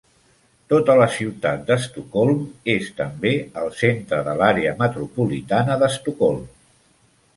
Tota la ciutat d'Estocolm és també el centre de l'àrea metropolitana d'Estocolm.